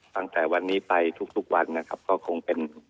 ตั้งแต่วันนี้ไปทุกวันก็คงเป็น